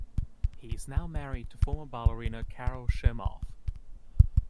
He is now married to former ballerina Karel Shimoff.